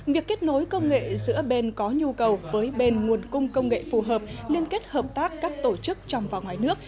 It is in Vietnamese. việc kết nối công nghệ giữa bên có nhu cầu với bên nguồn cung công nghệ phù hợp liên kết hợp tác các tổ chức trong và ngoài nước